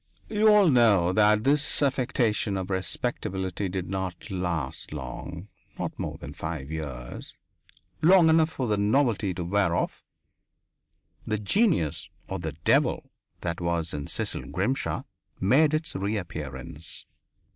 You all know that this affectation of respectability did not last long not more than five years; long enough for the novelty to wear off. The genius or the devil that was in Cecil Grimshaw made its reappearance.